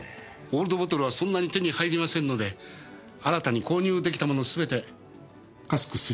オールドボトルはそんなに手に入りませんので新たに購入できたものすべて「Ｃａｓｋ」に。